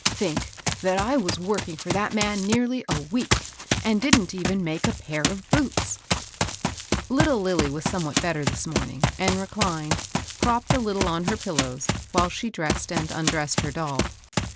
"Think that I was working for that man nearly a week, and didn't even make a pair of boots !" Little Lilly was somewhat better this morning, and reclined, propped a little on her pillows, while she dressed and undressed her doll.